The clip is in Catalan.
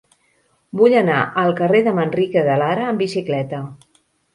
Vull anar al carrer de Manrique de Lara amb bicicleta.